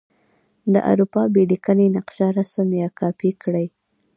د اروپا بې لیکنې نقشه رسم یا کاپې کړئ.